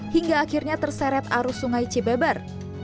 hingga akhirnya terseret arus sungai cibeber